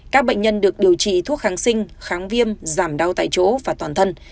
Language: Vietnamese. các bệnh nhân được điều trị thuốc kháng sinh kháng viêm giảm đau tại chỗ và toàn thân